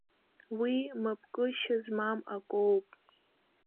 Уи мапкышьа змам акоуп.